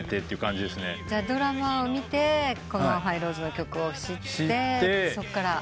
じゃあドラマを見てハイロウズの曲を知ってそっから？